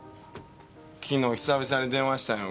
昨日久々に電話したよ